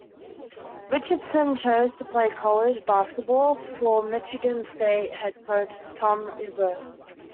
Richardson chose to play college basketball for Michigan State head coach Tom Izzo.